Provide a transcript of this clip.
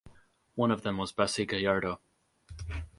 One of them was Bessy Gallardo.